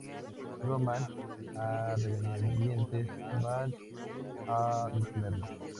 Román, a regañadientes, va a detenerlo.